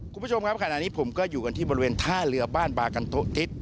คุณผู้ชมครับขณะนี้ผมก็อยู่กันที่บริเวณท่าเรือบ้านบากันโต๊ทิศ